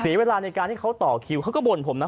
เวลาในการที่เขาต่อคิวเขาก็บ่นผมนะ